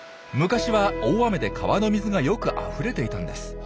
昔は大雨で川の水がよくあふれていたんです。